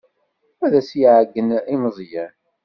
Ad as-ɛeyynen i Meẓyan.